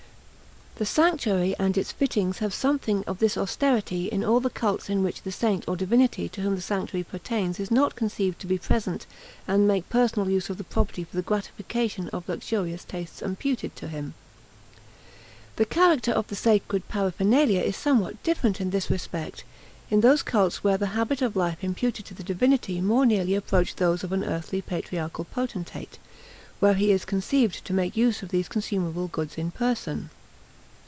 The sanctuary and its fittings have something of this austerity in all the cults in which the saint or divinity to whom the sanctuary pertains is not conceived to be present and make personal use of the property for the gratification of luxurious tastes imputed to him. The character of the sacred paraphernalia is somewhat different in this respect in those cults where the habits of life imputed to the divinity more nearly approach those of an earthly patriarchal potentate where he is conceived to make use of these consumable goods in person.